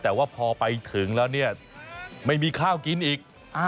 แต่ว่าพอไปถึงแล้วเนี่ยไม่มีข้าวกินอีก